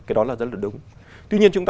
cái đó là rất là đúng tuy nhiên chúng ta